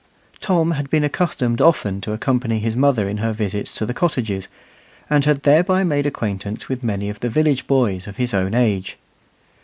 Tom had been accustomed often to accompany his mother in her visits to the cottages, and had thereby made acquaintance with many of the village boys of his own age.